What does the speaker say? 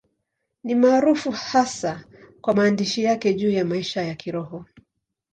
Ni maarufu hasa kwa maandishi yake juu ya maisha ya Kiroho.